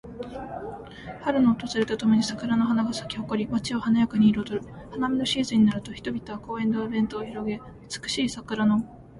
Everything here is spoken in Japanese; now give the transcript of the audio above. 春の訪れとともに桜の花が咲き誇り、街を華やかに彩る。花見のシーズンになると、人々は公園でお弁当を広げ、美しい桜の下で楽しいひとときを過ごす。